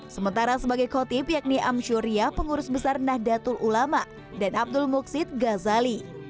sementara sebagai kotip yakni amsyuriah pengurus besar nahdlatul ulama dan abdul muksid ghazali